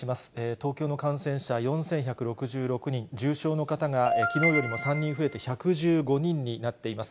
東京の感染者４１６６人、重症の方がきのうよりも３人増えて１１５人になっています。